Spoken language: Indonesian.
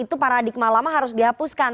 itu paradigma lama harus dihapuskan